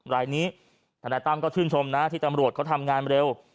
รายนี้ธนายตั้มก็ชื่นชมนะที่ตำรวจเขาทำงานเร็ว